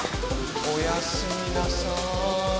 おやすみなさい。